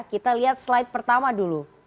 kita lihat slide pertama dulu